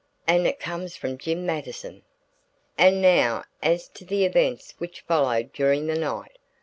And it comes from Jim Mattison." And now as to the events which followed during the night.